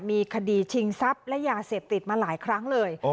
มีคดีชิงทรัพย์และยาเสพติดมาหลายครั้งเลย